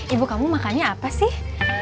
ibu kamu makannya apa sih